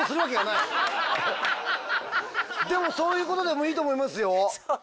でもそういうことでもいいと思いますよ。